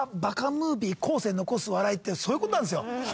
ムービー後世に残す笑いってそういうことなんですよ。